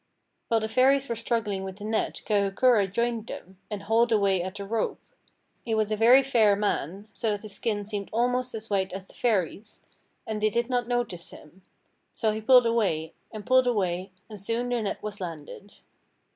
While the Fairies were struggling with the net Kahukura joined them, and hauled away at a rope. He was a very fair man, so that his skin seemed almost as white as the Fairies', and they did not notice him. So he pulled away, and pulled away, and soon the net was landed.